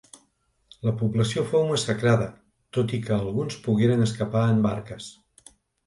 La població fou massacrada, tot i que alguns pogueren escapar en barques.